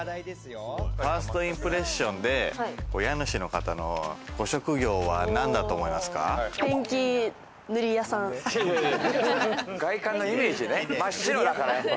ファーストインプレッションで家主の方のご職業は何だと思いますか？